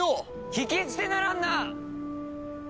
聞き捨てならんな！